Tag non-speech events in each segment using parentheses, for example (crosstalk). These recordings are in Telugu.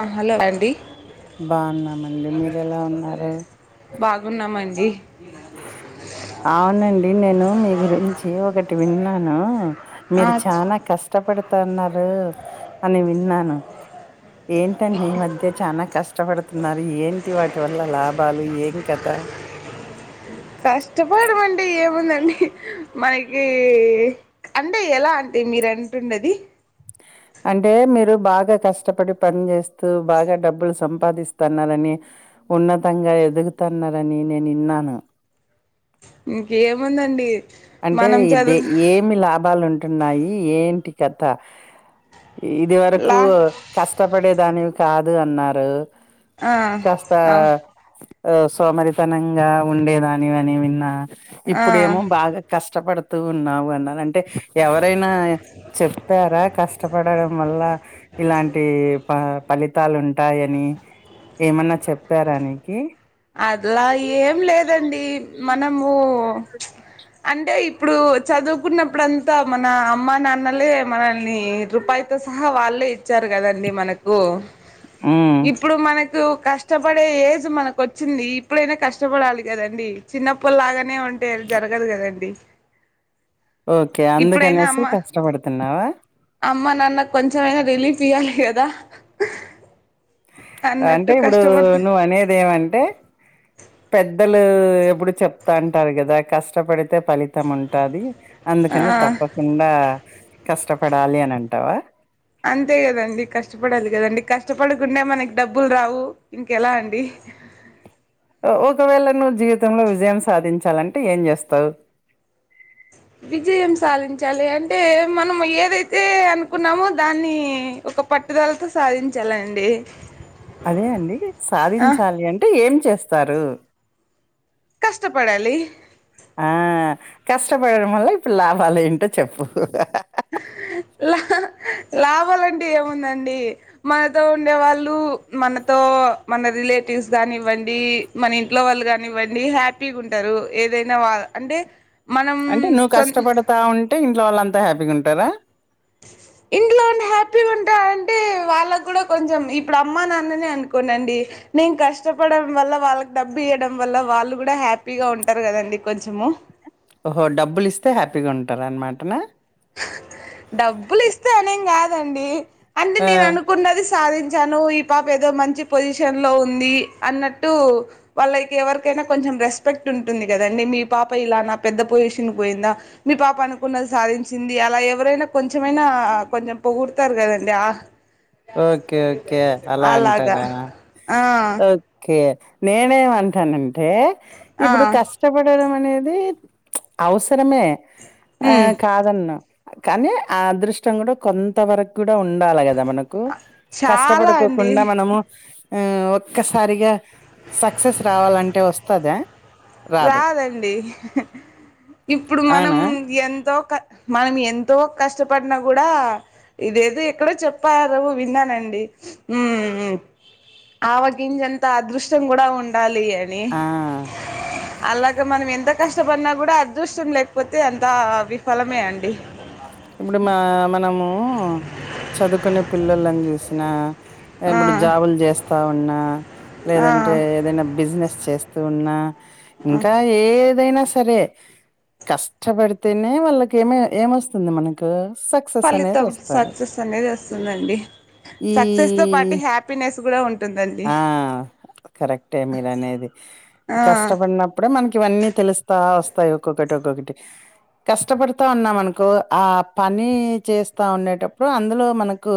అ హలో ఆండి బాన్నామండి మీరెలా ఉన్నారు బాగున్నామండి ఆవునండి నేను మీ గురించి ఒకటి విన్నాను ఆ మీరు చానా కష్టపడుతన్నారు అని విన్నాను ఏంటండి ఈ మధ్య చానా కష్టపడుతున్నారు ఏంటి వాటి వల్ల లాభాలు ఏం కథ మనకీ అంటే ఎలా ఆంటీ మీరంటున్నది అంటే మీరు బాగా కష్టపడి పని చేేస్తూ బాగా డబ్బులు సంపాదిస్తన్నారని ఉన్నతంగా ఎదుగుతున్నారని నేనిన్నాను ఇంకేముందండి అంటే మనం దే చదువు ఏమి లాభాలు ఉంటున్నాయి ఏంటి కథ ఇది వరకు లా కష్టపడేదానివి కాదు అన్నారు ఆ కాస్తా అవు ఆ సోమరితనంగా ఉండేదానివి అని విన్నా ఆ ఇప్పుడేమో బాగా కష్టపడుతూ ఉన్నావు అన్నను ఆన్ అంటే ఎవరైనా చెప్పారా కష్టపడడం వల్ల ఇలాంటి ప ఫలితాలు ఉంటాయని ఏమన్నా చెప్పారానికి అలా ఏం లేదండి మనమూ అంటే ఇప్పుడు చదువుకున్నప్పుడుంతా మన అమ్మ నాన్నలే మనల్ని రూపాయి తో సహా వాళ్లే ఇచ్చారు కదండి మనకు హ్మ్. ఇప్పుడు మనకు కష్టపడే ఏజ్ మనకు ఒచ్ చ్చింది ఇప్పుడైనా కష్టపడాలి కదండి చిన్నప్పుల్ లాగానే ఉ టే అది జరగదు కదండి ఓకే ఇప్పుడైనా అందుకనేసి అమ్మ కష్టపడుతున్నావా అమ్మ నాన్న కొంచెంమైనా రిలీఫ్ ఇయ్యాలి కదా అంటే అన్నట్టు ఇప్పుడు కష్టపడుతు నువ్వనేదేవంటే పెద్దలు ఎప్పుడు చెప్తాంటారు కదా కష్టపడితే పలితం ఉంటాది ఆ అందుకని తప్పకుండా కష్టపడాలి అని అంటావా అంతే కదండి కష్టపడాలి కదండి కష్టపడకుండా మనకి డబ్బులు రావు ఇంకెలా అండి ఒ ఒకవేళ నువ్వు జీవితంలో విజయం సాధించాలంటే ఏం చేస్తావు విజయం సాధించాలి అంటే మనం ఏదైతే అనుకున్నామో దాన్ని ఒక పట్టుదలతో సాధించాలండి అదే అండి ఆ సాధించాలి అంటే ఏం చేస్తారు కష్టపడాలి ఆ కష్టపడడం వల్ల ఇప్పుడు లాభాలు ఏంటో చెప్పు లా లాభాలంటే ఏముందండి మనతో ఉండే వాళ్ళు మనతో మన రిలేటివ్స్ గానివ్వండి మన ఇంట్లో వాళ్ళు గానివ్వండి హ్యాపీగా ఉంటరు ఏదైనా వా అంటే మనం అంటే నువ్వు సొ కష్టపడతా ఉంటే ఇంట్లో వాళ్ళంతా హ్యాపీగా ఉంటారా ఇంట్లో ఉండి హ్యాపీగా ఉంటారంటే వాళ్ళకు కూడా కొంచెం ఇప్పుడు అమ్మ నాన్నని అనుకోండండి నేను కష్టపడడం వల్ల వాళ్ళకి డబ్బు ఇయడం వల్ల వాళ్ళు కూడా హ్యాపీగా ఉంటారు కదండి కొంచెము ఓహో డబ్బులు ఇస్తే హ్యాపీగా ఉంటారన్నమాట నా డబ్బులు ఇస్తే అనేం కాదండి అంటే ఆ! నేను అను కున్నది సాధించాను ఈ పాప ఏదో మంచి పొజిషన్లో ఉంది అన్నట్టు వాళ్ళకి ఎవరికైనా కొంచెం రెస్పెక్ట్ ఉంటుంది కదండి మీ పాప ఇలా నా పెద్ద పొజిషన్ పోయిందా మీ పాప అనుకున్నది సాధిం చ్చింది అలా ఎవరైనా కొంచమైనా కొంచెం పొగుడతారు కదండి ఆ ఓకే ఓకే అలా అలాగా అంటారా ఆ ఓ ఓకే నేనేమంటానంటే ఆ ఇప్పుడు కష్ కష్టపడడం అనేది అవసరమే ఆ ఉమ్ కాదన్ను కానీ ఆ అదృష్టం కూడా కొంత వరకు కూడా ఉండాలి కదా మన కు చాలా అండి కష్టపడుకోకుండా మనము ఆ ఒక్కసారిగా సక్సెస్ రావాలంటే వస్తదా రాదు. రాదండి ఇప్పుడు మనం అవునా? ఎంతో క మనం ఎంతో కష్టపడినా కూడా ఇదేదో ఎక్కడో చెప్పారు విన్నానండి ఉమ్ ఉ ఆవ గింజంత అదృష్టం కూడా ఉండాలి అని ఆ! అలాగ మనం ఎంత కష్టపడినా కూడా అదృష్టం లేకపోతే అంత విఫలమే అండి ఇప్పుడు మా మనము చదువుకునే పిల్లలని చూసిన ఆ ఇప్పుడు జాబులు చేస్తా ఉన్నా ఆ లేదంటే ఏదైనా బిజినెస్ చేస్ తున్నా ఇంకా ఏదైనా సరే కష్టపడితేనే వాళ్ళకి ఏమే ఏమొస్తుంది మన ఫలితం సక్సెస్ అనేది వస్తుందండి ఈ సక్సెస్ తో పాటు హ్యాపీనెస్ కూడా ఉంటుందండి ఆ! కరెక్టే మీరు అనేది ఆ కష్టపడినప అప్పుడ మనకి ఇవన్నీ తెలుస్తా వస్తాయి ఒక్కొక్కటి ఒక్కొక్కటి కష్టపడతా ఉన్నాంనుకో ఆ పని చేస్తా ఉండేటప్పుడు అందులో మనకు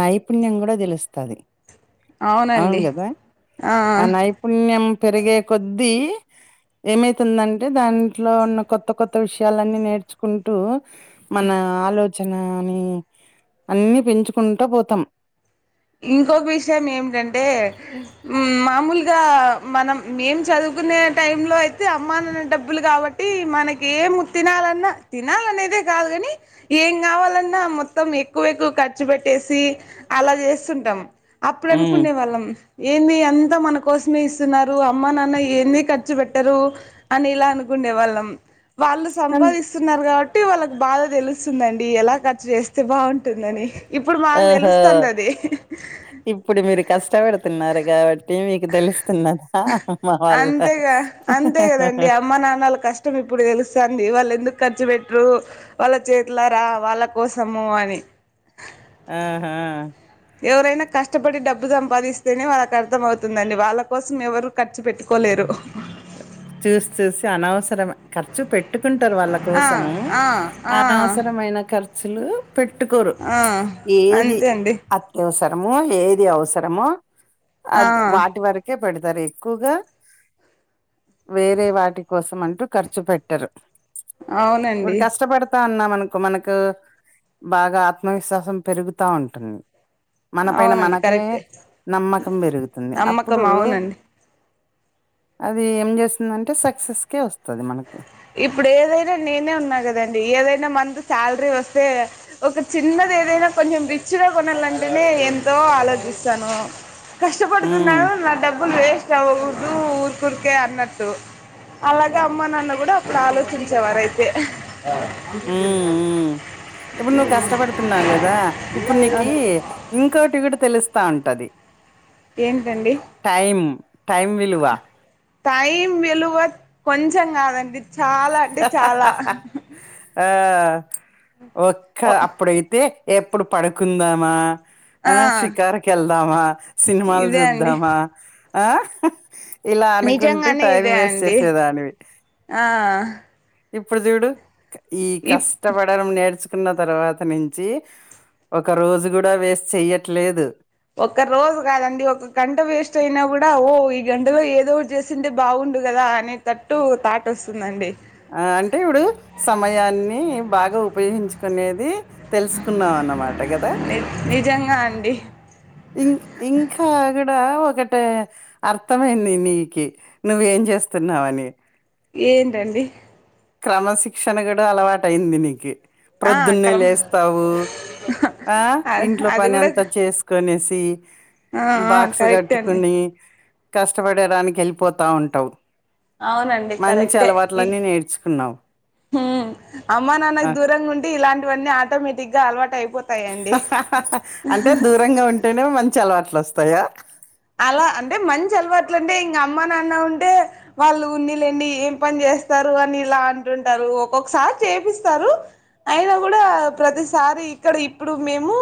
నైపుణ్యం కూడా తెలుస్తుది అవును అవునండి కదా ఆ నైపుణ పుణ్యం పెరిగే కొద్దీ ఏమైతుందంటే దాంట్లో ఉన్న కొత్త కొత్త విషయాలన్నీ నేర్చుకుంటూ మన ఆలోచనని అన్ని పెంచుకుంటా పోతాం ఇంకొక విషయం ఏమిటంటే మామూలుగా మనం మేము చదువుకునే టైంలో అయితే అమ్మానన్న డబ్బులు కాబట్టి మనక ఏం తినాలన్నా తినాలనేదే కాదు కాని ఏం కావాలన్నా మొత్తం ఎక్కువ ఎక్కువ ఖర్చు పెట్టేసి అలా చేసి వస్తుంటాం అప్పుడు ఉమ్ అనుకునే వాళ్ళం ఏన్ని అంతా మనకోసమే ఇస్తున్నారు అమ్మ నాన్న ఏన్ని ఖర్చు పెట్టరు అని ఇలా అనుకుండే వాళ్ళం వాళ్ళు అన్ సంపాదిస్త వస్తున్నారు కాబట్టి వాళ్ళకి బాధ తెలుస్తుందండి ఎలా ఖర్చు చేస్తే బాగుంటుందని ఇప్పుడు మాకు ఓహో తెలుస్తుంది అది ఇప్పుడు మీరు కష్టపడుతున్నారు కాబట్టి మీకు తెలుస్తున్నదా అమ్ మా వాళ్ళ అహహ అండి అమ్మ నాన్నళ్ళ కష్టం ఇప్పుడు తెలుస్తుంది వాళ్ళు ఎందుకు ఖర్చు పెట్టరు వాళ్ళ చేతులారా వాళ్ళ కోసము అని ఆహా ఎవరైనా కష్టపడి డబ్బు సంపాదిస్తేనే వాళ్ళకి అర్థం అవుతుందండి వాళ్ళ కోసం ఎవరు ఖర్చు పెట్టుకోలేరు చూసి చూసి అనవసరమే ఖర్చు పెట్టుకుంటారు వాళ్ళ ఆ కోసము ఆ ఆ అనవసరమైన ఖర్చులు పెట్టుకోరు ఆ ఏది అంతే అండి వసరమో ఏది అవసరమో అ ఆ వాటి వరకే పెడతారు ఎక్కువగా వేరే వాటి కోసం అంటూ ఖర్చు పెట్టరు ఇప్పుడు అవునండి కష్టపడత అన్నా మనకు బాగా ఆత్మవిశ్వాసం పెరుగుతా ఉంటుంది మన పైన అవునండి మనకే కరెక్టే నమ్మకం పెరుగుతుంది అప్పుడు నమ్మకం అవునండి అది ఏం చేస్తుందంటే సక్సెస్కే వస్తుంది మనకు ఇప్పుడు ఏదైనా నేనే ఉన్నా కదండి ఏదైనా మంత్ శాలరీ వస్తే ఒక చిన్నది ఏదైనా కొంచెం రిచ్గా కొనాలంటేనే ఎంతో ఆలోచిస్తాను ఉమ్ కష్టపడుతున్నాను నా డబ్బులు వేస్ట్ చ ఊరుకురికే అన్నట్టు అలాగే అమ్మ నాన్న కూడా ఆలోచించేవారు అయితే ఉ ఉ ఇప్పుడు నువ్వు కష్టపడుతున్నావు కదా ఇప్పుడు నీకి ఇంకోటి కూడా తెలుస్తా ఉంటుంది ఏంటండి టైం విలువ టైం విలువ కొంచెం కాదండి చాలా అంటే చాలా ఆ ఒక్క అప్పుడైతే ఎప్పుడు పడుకుందామా ఆ షికారుకి వెళ్దామా సినిమాలు ఇదే అండి చూద్దామా ఆ ఇలా అనుకుంటూ నిజంగానే టైం ఇదే వేస్ట్ అండి చేసేదానివి ఆ ఇప్పుడు చూడు ఈ ఇప్ కష్టపడడం నేర్చు కున్న తర్వాత నుంచి ఒక రోజు కూడ వేస్ట్ చెయ్యట్లేదు. ఒక్క రోజు కాదండి ఒక గంట వేస్ట్ అయినా కూడా ఓ ఈ గంటలో ఏదోటి చేస్ సింటే బాగుండు కదా అనేటట్టు తాట్ వస్తుందండి. ఆ అంటే ఇవుడు సమయాన్ని బాగ ఉపయోగించుకునేది తెలుసుకున్నాం అన్నమాట కదా! నిజంగా అండి ఇం ఇంకా కూడ ఒకట అర్థమైంది నీకి నువ్వేం చేస్తున్నావని ఏంటండి క్రమశిక్షణ కూడా అలవాటయింది నీకి ఆ ప్రొద్దున్నే క్రమ లేస్తావు ఆ ఇంట్లో అది పని కూడా అంతా చేసుకొనేసి, ఆ ఆ బాక్స్ కరెక్టే అండి కట్టుకుని, కష్టపడడానికి వెళ్ళిపోతా ఉంటావు. అవునండి మంచి కరెక్టే ఇ అలవాట్లన్నీ నేర్చుకున్నావు హ్మ్ అమ్మా ఆ. నాన్నకు దూరంగా ఉంటే ఇలాంటివన్నీ ఆటోమేటిక్ గా అలవాటు అయిపో అంటే దూరంగ ఉంటేనే మంచి అలవాట్లు వస్తాయా? అలా అంటే మంచి అలవాట్లు అంటే ఇంగ అమ్మ నాన్న ఉంటే, వాళ్ళు ఉన్నిలేండి ఏం పని చేస్తారు అని ఇలా అంటుంటారు ఒక్కొక్కసారి చేపిస్తారు. అయినా కూడ ప్రతిసారి ఇక్కడ ఇప్పుడు మేము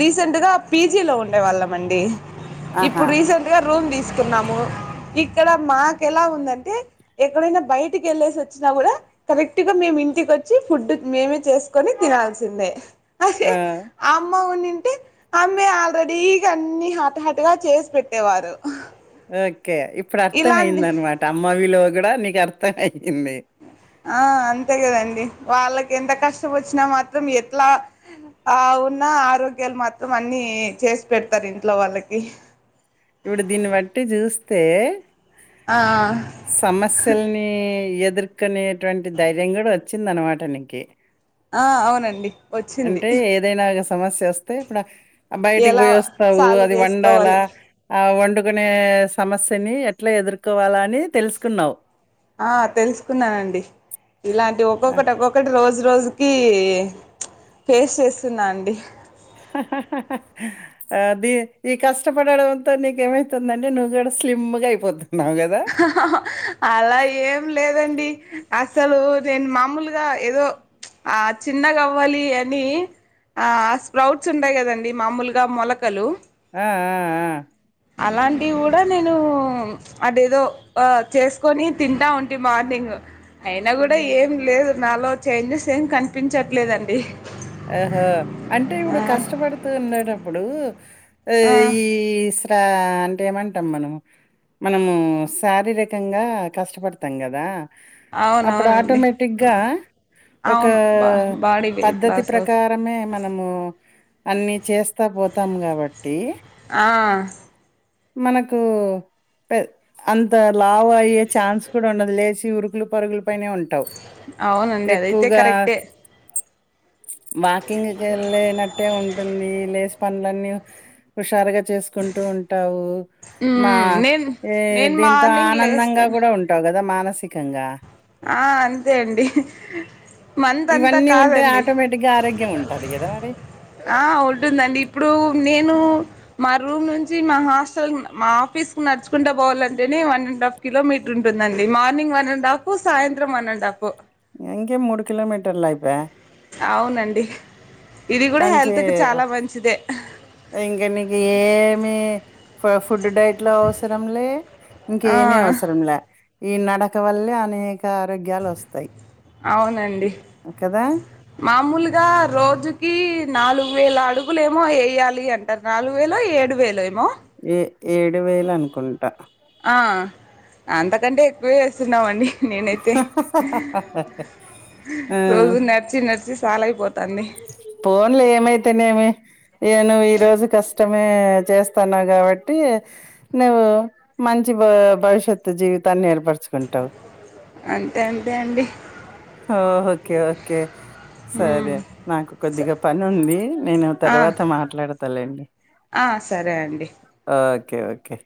రీసెంట్ గా పీజీ లో ఉండే వాళ్ళమండి. ఆహా ఇప్పుడు రీసెంట్గా రూమ్ తీసుకున్నాము ఇక్కడ మాకు ఎలా ఉందంటే, ఎక్కడైనా బయటికి ఎళ్ళేసి వచ్చినా కూడ, కరెక్ట్ గా మేము ఇంటికొచ్చి ఫుడ్ మేమే చేసుకొని తినాల్సిందే. అదే ఆ, అమ్మ ఉన్నింటే, అమ్మె ఆల్రెడీగా అన్ని హాట్ హాట్ ట్గా చేసి పెట్టేవారు. ఓకె ఇప్పుడు అర్థం ఇలాంటి అయిందనమాట అమ్మ విలువ కూడా నీకు అర్థం అయింది. ఆ అంతే కదండి వాళ్ళకి ఎంత కష్టం వచ్చినా మాత్రం ఎట్లా ఆ ఉన్న ఆరోగ్యాలు మాత్రం అన్ని చేసి పెడతారు ఇంట్లో వాళ్ళకి. ఇవుడు దీన్ని బట్టి చూస్తే, ఆ సమస్యల్ని ఎదుర్కొనేట్వంటి ధైర్యం కూడ ఒచ్చిందనమాట నీకి. (inaudible) అవునండి వచ్చింది అంటే ఏదైన ఇగ సమస్యోస్తే ఇప్పుడ బయటికి ఎలా పోయి వొస్ తావు సాల్వ్ అది వండాల చేసుకోవాలి ఆ వండుకునే సమస్యని ఎట్ల ఎదుర్కోవాల అని తెలుసుకున్నావు ఆ తెలుసుకున్నానండి ఇలాంటి ఆ! ఒక్కొక్కటొక్కో క్కటి రోజు రోజుకి ఫేస్ చేస్తున్నా అండి హహహహ అది ఈ కష్టపడడంతో నీకేమైతుందంటే నువ్ కూడా స్లిమ్ గా అయిపోతున్నావు కదా! అలా ఏం లేదండి అసలు నేను మామూల్గా ఏదో, ఆ చిన్నగవ్వాలి అనీ ఆ స్ప్రౌట్స్ ఉంటాయి కదండీ మామూల్గా మొలకలు ఆ ఆ ఆ! అలాంటివి కూడ నేను అదేదో ఆ చేస్కొని తింటావుంటి మార్నింగ్ ఐనా కూడ ఏం లేదు నాలో చేంజెస్ ఏం కనిపించట్లేద అండి అహా అంటే ఇప్పుడు కష్టపడుతు ఉండేట అప్పుడు ఆ ఈ ఇంకా అంటేమంటం మనమ్ మనము శారీరకంగా కష్టపడతాం కదా అప్పుడ అవునవునండి ఆటోమేటిక్గా ఒక అవును బా బాడీ వెయిట్ పద్ధతి లాస్ అవుతు కరమే మనము అన్నీ చేస్తాపోతామ్ కాబట్టి ఆ మనకూ పె అంత లావయ్యే ఛాన్స్ కూడుండదు లేచి ఉరుకులు పరుగులు పైనే ఉంటావ్ అవునండి అదైతే ఎక్కువ్గా కరెక్టే వాకింగ్కె కేళ్ళేనట్టే ఉంటు ఉంది లేసి పన్లన్నీ హుషారుగ చేస్కుంటూ ఉంట్ టావు మా మ్మ్ నేను దీ నేను దీంతో మార్నింగ్ ఆనందంగా లేస్తాను కూడా ఉం టావు కద మానసికంగా ఆ అంతే అండి మంత అంతా ఇవన్నీ కాద ఉంటే అండి ఆటోమేటిక్‌గా ఆరోగ్యం ఉంటది గదా! మరి. ఆ ఉంటుంద అండి ఇప్పుడు నేను మా రూమ్ నుంచి మా హాస్టల్ మా ఆఫీస్కు నడ్చుకుంట పోవాల అంటేనే వన్ అండ్ హాఫ్ కిలోమీట్రుంటుంద అండి మార్నింగ్ వన్ అండ్ హాఫు సాయింత్రం వన్ అండ్ హాఫు ఇంకేం మూడు కిలోమీటర్లై అయిపాయే అవున అండి ఇది కూడా మంచి హెల్త్కి చాలా ఆహ్, మంచిదే ఇంక నీకేమి ఫ ఫుడ్ డైట్ లో అవసరంలే ఆ ఇంకేమి అవ్సరంలే ఈ నడక వల్లే అనేక ఇంకా ఆరోగ్యాలు వస్తాయి కదా మాముల్గా రోజుకి నాలుగు వేల అడుగులు ఏమో ఎయ్యాలి అంట ట నాలుగు వేలో ఏడు వేలే ఏమో ఏ ఏడు వేలు అన్కుంట ఆ అంతకంటే ఎక్కువే చేస్తున్నామ అండి నేనై అయితే ఆ రోజు నాక్ నడ్చి నడ్చి సాలైపోతా అంది పోన్లే ఏమై నేతేనే ఏమి ఇగ నువ్వు ఈ రోజు కష్టమే చేస్తాన్నావ్ కాబట్టి నువ్వు మంచి భ భవిష్యత్తు జీవితాన్నే ఎర్ పర్చుకుంటావు అంతే అంతే అండి ఓ ఓకే ఓకే సరే ఉమ్ నాకు స కొద్దిగా పనుంది నేను తర్వాత మాట్లడతాలే అండి అ సరే అండి అ ఓకే ఓకే